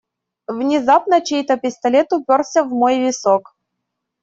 Внезапно чей-то пистолет упёрся в мой висок.